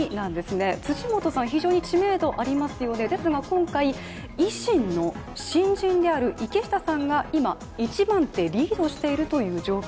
非常に知名度ありますよねですが、今回維新の新人である池下さんが今、一番手、リードしているという状況。